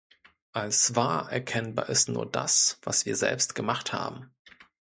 Als wahr erkennbar ist nur das, was wir selbst gemacht haben.